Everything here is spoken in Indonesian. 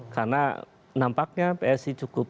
karena nampaknya psi cukup